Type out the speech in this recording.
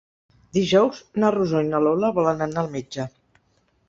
Dijous na Rosó i na Lola volen anar al metge.